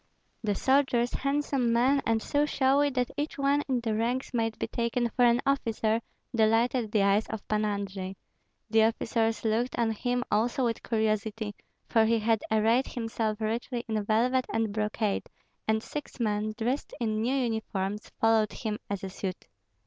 The soldiers, handsome men and so showy that each one in the ranks might be taken for an officer, delighted the eyes of Pan Andrei. The officers looked on him also with curiosity, for he had arrayed himself richly in velvet and brocade, and six men, dressed in new uniforms, followed him as a suite.